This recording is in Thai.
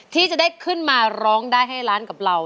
ที่จะได้ขึ้นมาร้องได้ให้ล้านกับเรา